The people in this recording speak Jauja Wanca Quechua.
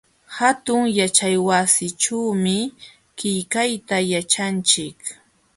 Hatun yaćhaywasićhuumi qillqayta yaćhanchik.